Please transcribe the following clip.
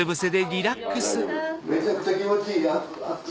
めちゃくちゃ気持ちいい熱くて。